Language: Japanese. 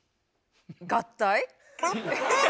合体？